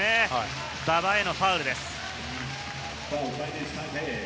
馬場へのファウルです。